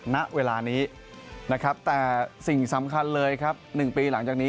ณเวลานี้แต่สิ่งสำคัญเลย๑ปีหลังจากนี้